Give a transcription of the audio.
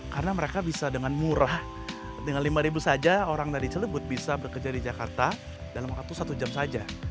karena mereka bisa dengan murah dengan lima saja orang dari celebut bisa bekerja di jakarta dalam waktu satu jam saja